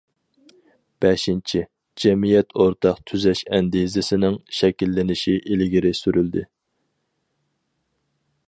بەشىنچى، جەمئىيەت ئورتاق تۈزەش ئەندىزىسىنىڭ شەكىللىنىشى ئىلگىرى سۈرۈلدى.